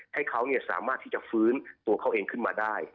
ให้เขาสามารถที่จะฟื้นตัวเขาเองขึ้นมาได้